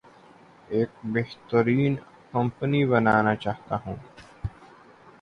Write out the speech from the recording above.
ایک بہترین کمپنی بنانا چاہتا ہوں